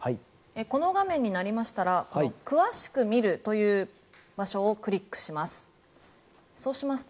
この画面になりましたら詳しく見るという場所をクリックします。